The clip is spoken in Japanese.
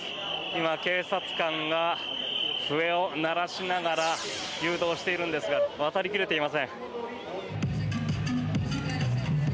今、警察官が笛を鳴らしながら誘導しているんですが渡り切れていません。